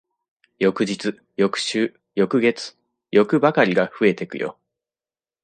翌日、翌週、翌月、欲ばかりが増えてくよ。